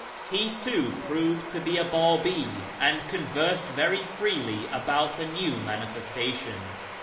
He too proved to be a ]>;'il)i, and conversed very freely about the new Manifestation.